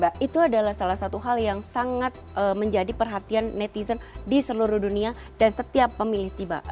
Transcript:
betul itu adalah salah satu hal yang sangat menjadi perhatian netizen di seluruh dunia dan setiap pemilip tiba